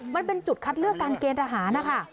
มันเป็นจุดคัดเลือกการเกณฑ์ทหารนะคะ